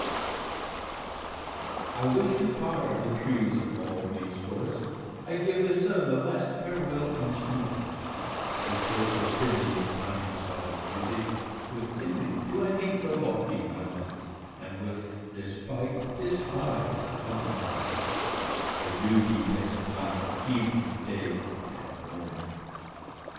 Strephon. I wish to fire the trees of all these forrests ; I give the Sunne a last farewell each evening ; I curse the fidling finders out of Musicke : With envie I doo hate the loftie mountaines ; And with despite despise the humble val/ies : I doo detest night , evening, day, and morning.